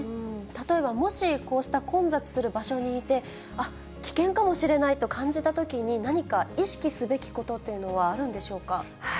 例えばもし、こうした混雑した場所にいて、あっ、危険かもしれないと感じたときに、何か意識すべきことというのはあるんでしょうか。